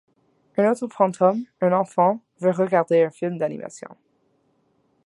Un autre fantôme, un enfant, veut regarder un film d'animation.